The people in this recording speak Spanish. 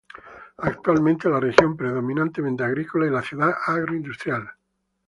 Actualmente la región predominantemente agrícola y la ciudad agroindustrial.